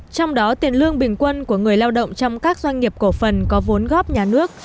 trong đó tiền lương bình quân của người lao động trong các doanh nghiệp cổ phần có vốn góp nhà nước